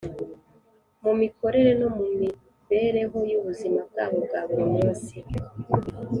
mu mikorere no mu mibereho y’ubuzima bwabo bwa buri munsi